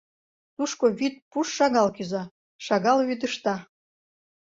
Тушко вӱд пуш шагал кӱза, шагал вӱдыжта.